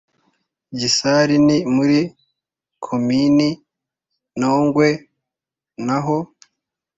gisari ni muri komini ntongwe naho